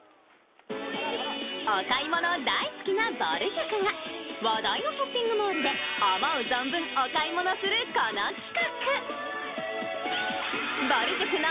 お買い物大好きなぼる塾が話題のショッピングモールで思う存分お買い物するこの企画。